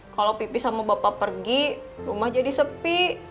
kalau pipi sama bapak pergi rumah jadi sepi